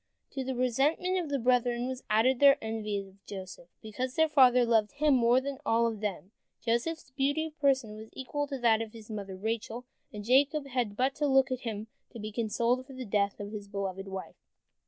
To the resentment of the brethren was added their envy of Joseph, because their father loved him more than all of them. Joseph's beauty of person was equal to that of his mother Rachel, and Jacob had but to look at him to be consoled for the death of his beloved wife.